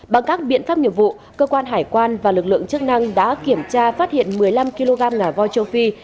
bằng các biện pháp nghiệp vụ cơ quan hải quan và lực lượng chức năng đã kiểm tra phát hiện một mươi năm kg nà voi châu phi